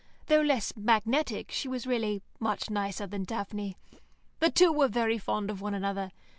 Though less magnetic, she was really much nicer than Daphne. The two were very fond of one another.